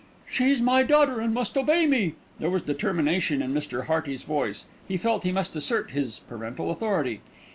"She's my daughter and must obey me." There was determination in Mr. Hearty's voice. He felt he must assert his parental authority.